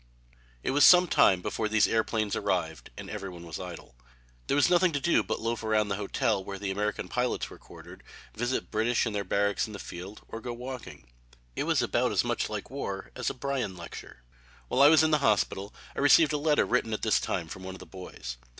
It was some time before these airplanes arrived and every one was idle. There was nothing to do but loaf around the hotel, where the American pilots were quartered, visit the British in their barracks at the field, or go walking. It was about as much like war as a Bryan lecture. While I was in the hospital I received a letter written at this time from one of the boys.